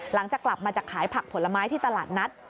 หลังจากกลับมาจากขายผักผลไม้ที่ตลาดนัด